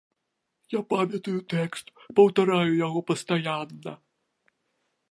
Я памятаю тэкст, паўтараю яго пастаянна.